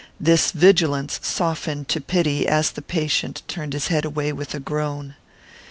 This vigilance softened to pity as the patient turned his head away with a groan.